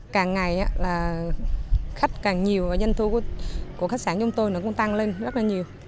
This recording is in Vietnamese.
càng ngày là khách càng nhiều và doanh thu của khách sạn chúng tôi nó cũng tăng lên rất là nhiều